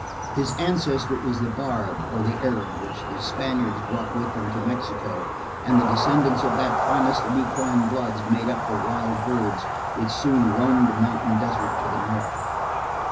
His ancestor is the Barb or the Arab which the Spaniards brought with them to Mexico and the descendants of that finest of equine bloods made up the wild herds which soon roamed the mountain desert to the north.